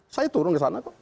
saya turun ke sana kok